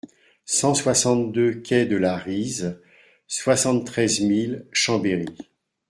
cent soixante-deux quai de la Rize, soixante-treize mille Chambéry